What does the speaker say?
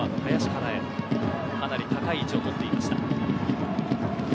かなり高い位置を取っていました。